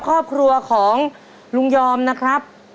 ครอบครัวของลุงยอมนะครับ